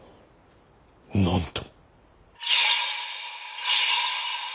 なんと。